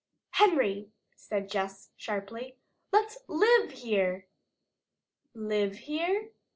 "Henry!" said Jess sharply. "Let's live here!" "Live here?"